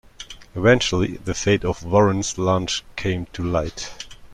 Eventually, the fate of "Warren's" launch came to light.